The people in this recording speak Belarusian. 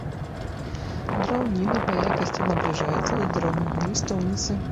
Драўніна па якасці набліжаецца да драўніны лістоўніцы.